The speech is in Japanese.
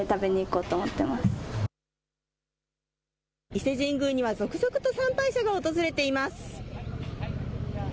伊勢神宮には続々と参拝者が訪れています。